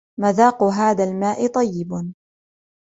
مذاق هذا الماء طيب.